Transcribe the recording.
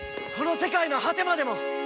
この世界の果てまでも！